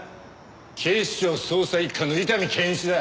警視庁捜査一課の伊丹憲一だ。